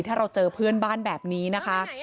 ถ้าเราเจอเพื่อนบ้านแบบนี้นะคะ